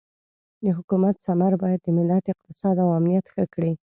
د حکومت ثمر باید د ملت اقتصاد او امنیت ښه کړي.